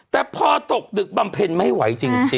แต่พอตกดึกบำเพ็ญไม่ไหวจริง